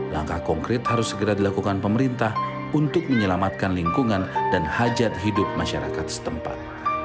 langkah konkret harus segera dilakukan pemerintah untuk menyelamatkan lingkungan dan hajat hidup masyarakat setempat